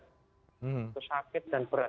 sakit dan berat bukan sakit ringan ya sakit dan berat